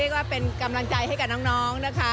ก็เป็นกำลังใจให้กับน้องนะคะ